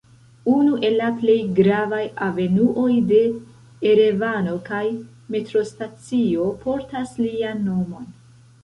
Unu el la plej gravaj avenuoj de Erevano kaj metrostacio portas lian nomon.